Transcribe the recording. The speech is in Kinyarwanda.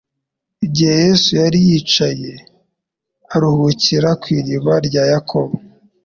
Igihe Yesu yari yicaye aruhukira ku iriba rya Yakobo,